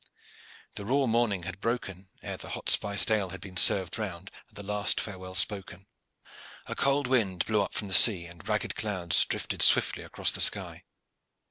The raw morning had broken ere the hot spiced ale had been served round and the last farewell spoken. A cold wind blew up from the sea and ragged clouds drifted swiftly across the sky.